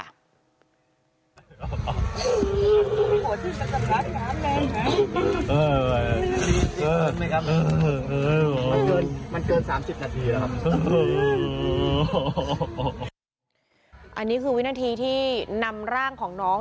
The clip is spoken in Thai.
อันนี้คือวินาทีที่นำร่างของน้อง